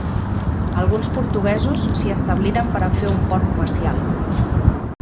Alguns portuguesos s'hi establiren per a fer un port comercial.